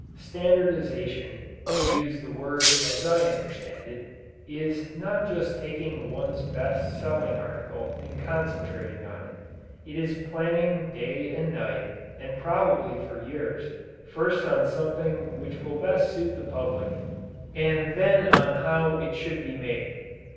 Standardization (to use the word as I understand it) is not just taking one's best selling article and concentrating on it. It is planning day and night and probably for years, first on something which will best suit the public and then on how it should be made.